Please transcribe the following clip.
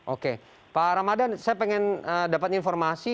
oke pak ramadhan saya ingin mendapatkan informasi